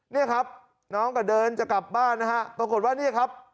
นี่ครับน้องก็เดินจะกลับบ้านนะฮะปรากฏว่าเนี่ยครับ